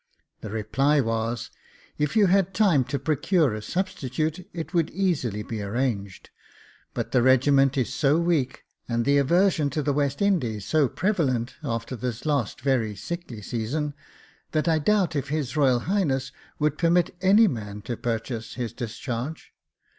The reply was :" If you had time to procure a substitute it would easily be arranged ; but the regiment is so weak, and the aversion to the West Indies so prevalent after this last very sickly season, that I doubt if His Royal Highness would permit any man to purchase his discharge.